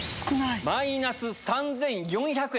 マイナス３４００円。